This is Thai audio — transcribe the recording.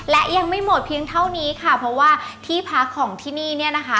และยังไม่หมดเพียงเท่านี้ค่ะเพราะว่าที่พักของที่นี่เนี่ยนะคะ